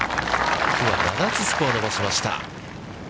きょうは７つスコアを伸ばしました。